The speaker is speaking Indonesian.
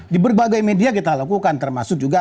di berbagai media kita lakukan termasuk juga